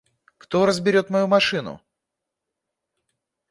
Кто разберёт мою машину?